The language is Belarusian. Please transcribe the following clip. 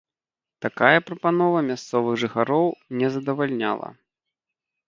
Такая прапанова мясцовых жыхароў не задавальняла.